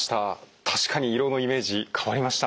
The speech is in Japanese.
確かに胃ろうのイメージ変わりました。